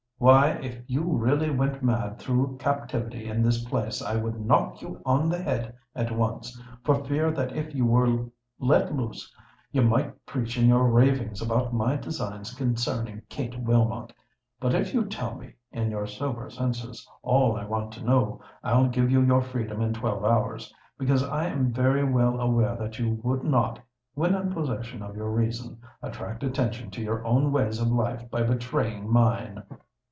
Why, if you really went mad through captivity in this place, I would knock you on the head at once—for fear that if you were let loose you might preach in your ravings about my designs concerning Kate Wilmot. But if you tell me, in your sober senses, all I want to know, I'll give you your freedom in twelve hours; because I am very well aware that you would not, when in possession of your reason, attract attention to your own ways of life by betraying mine."